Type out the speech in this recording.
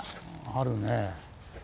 あるね。